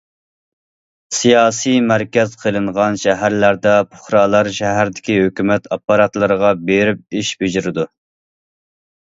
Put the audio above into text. سىياسىي مەركەز قىلىنغان شەھەرلەردە پۇقرالار شەھەردىكى ھۆكۈمەت ئاپپاراتلىرىغا بېرىپ ئىش بېجىرىدۇ.